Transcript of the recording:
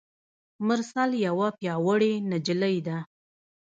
مرسل یوه پیاوړي نجلۍ ده.